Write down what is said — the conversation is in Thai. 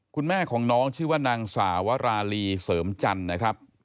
คุณแม่ของน้องชื่อว่านางสาวราลีเสริมจันทร์นะครับ